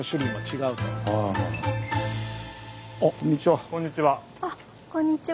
あっこんにちは。